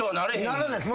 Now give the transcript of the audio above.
ならないです。